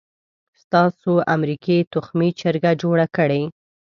تاسو امریکې تخمي چرګه جوړه کړې.